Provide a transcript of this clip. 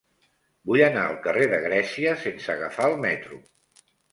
Vull anar al carrer de Grècia sense agafar el metro.